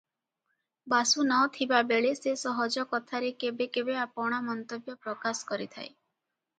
ବାସୁ ନ ଥିବାବେଳେ ସେ ସହଜ କଥାରେ କେବେ କେବେ ଆପଣା ମନ୍ତବ୍ୟ ପ୍ରକାଶ କରିଥାଏ ।